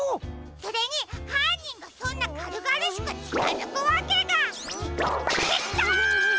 それにはんにんがそんなかるがるしくちかづくわけが。ってきた！